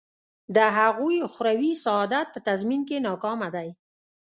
د هغوی اخروي سعادت په تضمین کې ناکامه دی.